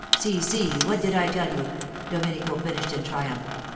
'Si, si, what did I tell you?' Domenico finished in triumph.